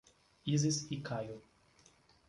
Isis e Caio